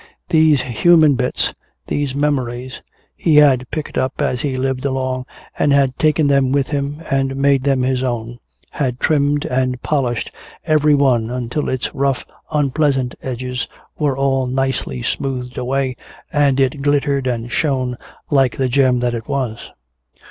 These human bits, these memories, he had picked up as he lived along and had taken them with him and made them his own, had trimmed and polished every one until its rough unpleasant edges were all nicely smoothed away and it glittered and shone like the gem that it was.